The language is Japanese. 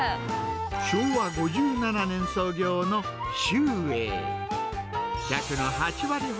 昭和５７年創業の秀永。